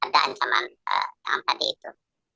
yang tadi itu